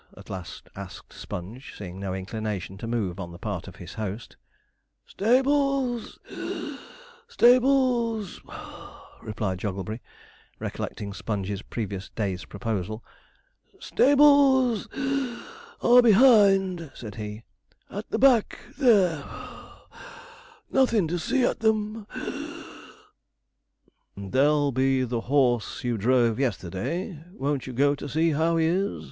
at last asked Sponge, seeing no inclination to move on the part of his host. 'Stables (wheeze) stables (puff),' replied Jogglebury, recollecting Sponge's previous day's proposal 'stables (wheeze) are behind,' said he, 'at the back there (puff); nothin' to see at them (wheeze).' 'There'll be the horse you drove yesterday; won't you go to see how he is?'